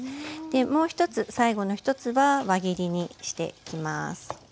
もう１つ最後の１つは輪切りにしていきます。